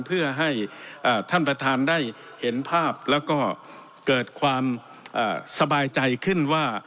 เพื่อให้ท่านประธานได้เห็นภาพแล้วก็เกิดความสบายใจขึ้นว่า